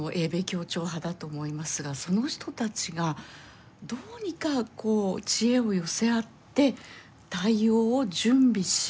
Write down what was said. その人たちがどうにか知恵を寄せ合って対応を準備し。